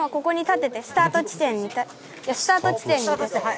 スタート地点はい。